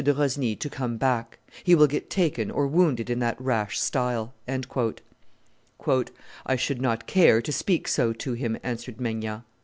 de Rosny to come back; he will get taken or wounded in that rash style." "I should not care to speak so to him," answered Maignan.